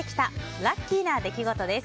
ラッキーな出来事です。